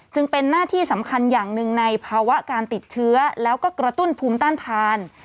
เป็นหน้าที่สำคัญอย่างหนึ่งในภาวะการติดเชื้อแล้วก็กระตุ้นภูมิต้านทาน